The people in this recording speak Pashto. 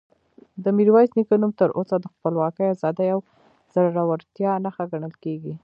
د میرویس نیکه نوم تر اوسه د خپلواکۍ، ازادۍ او زړورتیا نښه ګڼل کېږي.